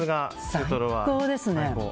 最高ですね。